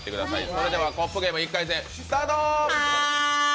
それでは「コップゲーム」１回戦スタート。